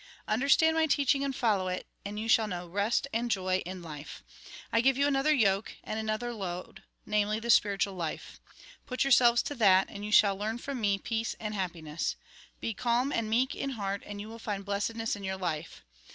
" Understand my teaching and follow it ; and you shall know rest and joy in life. I give you another yoke, and another load ; namely, the spiritual life. Put yourseh'es to that, and you shall learn from me peace and happiness. Be calm and meek in heart, and you will find blessedness in your life.